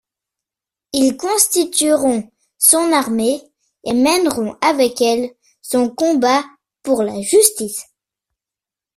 Ils constitueront son armée et mèneront avec elle son combat pour la justice.